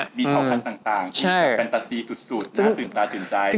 มีเผ่าพันธุ์ต่างกันตาซีสุดน่าตื่นตาตื่นใจ